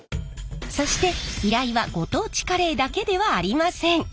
そして依頼はご当地カレーだけではありません。